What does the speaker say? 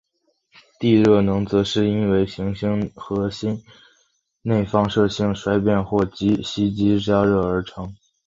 地热能则是因为行星核心内放射性衰变或吸积加热而形成。